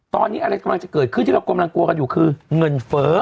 ตอนนี้อะไรกำลังจะเกิดขึ้นที่เรากำลังกลัวกันอยู่คือเงินเฟ้อ